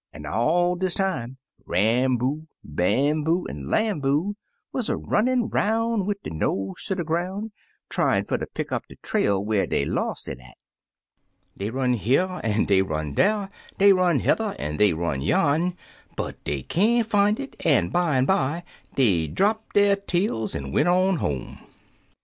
An' all dis time, Ramboo, Bamboo, an' Lamboo wuz a runnin' 'roim' 'wid der nose ter de groun' tryin' fer ter pick up de trail where dey los' it at. Dey run here an' dey run dar, dey run hether an' dey run yan; but dey can't fin' it, an' bimeby dey drapt der tails an' went on home."